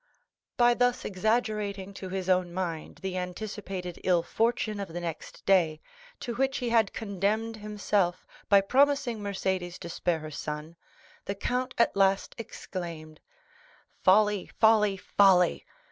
By thus exaggerating to his own mind the anticipated ill fortune of the next day, to which he had condemned himself by promising Mercédès to spare her son, the count at last exclaimed: "Folly, folly, folly!